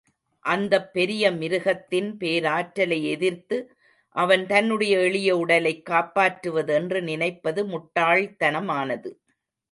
அந்தப் பெரிய மிருகத்தின் பேராற்றலை எதிர்த்து, அவன் தன்னுடைய எளிய உடலைக் காப்பாற்றுவதென்று நினைப்பது முட்டாள் தனமானது.